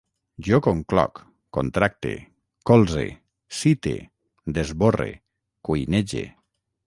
Jo concloc, contracte, colze, cite, desborre, cuinege